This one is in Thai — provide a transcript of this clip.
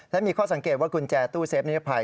ถ้าเก็บว่ากุญแจตู้เซฟนิทยภัย